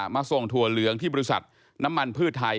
มาส่งถั่วเหลืองที่บริษัทน้ำมันพืชไทย